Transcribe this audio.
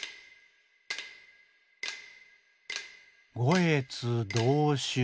「ごえつどうしゅう」。